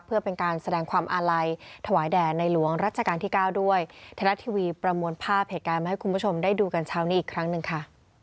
เพื่อเป็นการแสดงความอาลัยถวายแด่ในหลวงรัชกาลที่เก้าด้วยไทยรัฐทีวีประมวลภาพเหตุการณ์มาให้คุณผู้ชมได้ดูกันเช้านี้อีกครั้งหนึ่งค่ะ